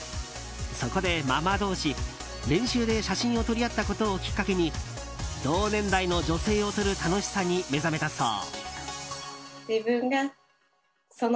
そこでママ同士、練習で写真を撮り合ったことをきっかけに同年代の女性を撮る楽しさに目覚めたそう。